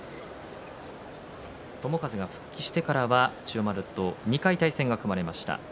友風が復帰してからは千代丸と２回、対戦が組まれました。